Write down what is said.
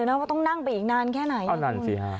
เพราะว่าต้องนั่งไปอีกนานแค่ไหนเอานานสิฮะ